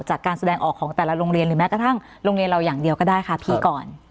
จากการแสดงออกของแต่ละโรงเรียนหรือแม้กระทั่งโรงเรียนเราอย่างเดียวก็ได้ค่ะพี่ก่อน